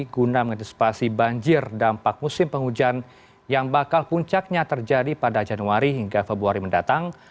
guna mengantisipasi banjir dampak musim penghujan yang bakal puncaknya terjadi pada januari hingga februari mendatang